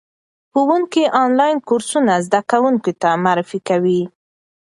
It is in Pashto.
ښوونکي آنلاین کورسونه زده کوونکو ته معرفي کوي.